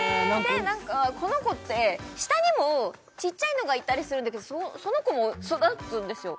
この子って下にもちっちゃいのがいたりするんだけどその子も育つんですよ